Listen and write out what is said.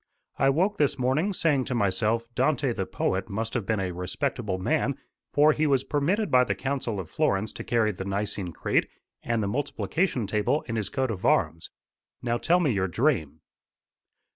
I woke this morning, saying to myself, 'Dante, the poet, must have been a respectable man, for he was permitted by the council of Florence to carry the Nicene Creed and the Multiplication Table in his coat of arms.' Now tell me your dream."